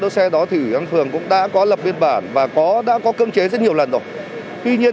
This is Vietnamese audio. xe cá nhân thì ngày càng phát triển